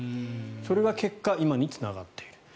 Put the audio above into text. それが結果今につながっているという。